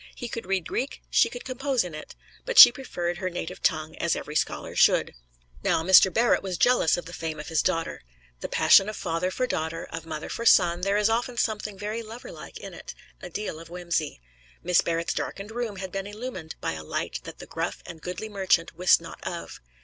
He could read Greek; she could compose in it. But she preferred her native tongue, as every scholar should. Now, Mr. Barrett was jealous of the fame of his daughter. The passion of father for daughter, of mother for son there is often something very loverlike in it a deal of whimsy! Miss Barrett's darkened room had been illumined by a light that the gruff and goodly merchant wist not of.